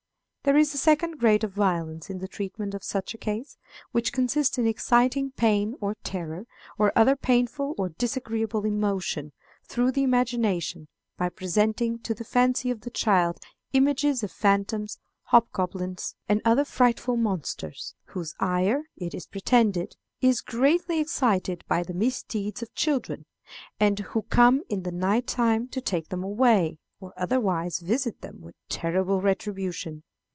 There is a second grade of violence in the treatment of such a case, which consists in exciting pain or terror, or other painful or disagreeable emotions, through the imagination, by presenting to the fancy of the child images of phantoms, hobgoblins, and other frightful monsters, whose ire, it is pretended, is greatly excited by the misdeeds of children, and who come in the night time to take them away, or otherwise visit them with terrible retribution.